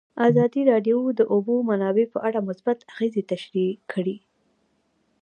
ازادي راډیو د د اوبو منابع په اړه مثبت اغېزې تشریح کړي.